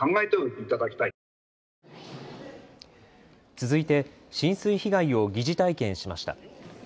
続いて浸水被害を疑似体験しました。